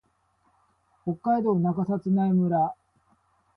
北海道中札内村